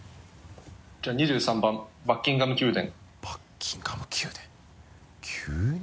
じゃあ２３番「バッキンガム宮殿」「バッキンガム宮殿」急に？